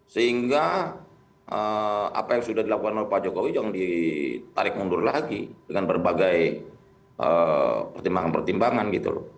sehingga apa yang sudah dilakukan oleh pak jokowi jangan ditarik mundur lagi dengan berbagai pertimbangan pertimbangan gitu loh